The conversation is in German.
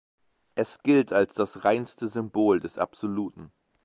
Es gilt als das reinste Symbol des Absoluten.